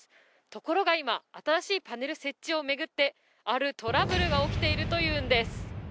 ところが今、新しいパネル設置を巡ってあるトラブルが起きているというんです。